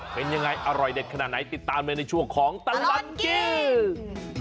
เป็นยังไงอร่อยเด็ดขนาดไหนติดตามเลยในช่วงของตลอดกิน